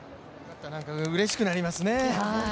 うれしくなりますね。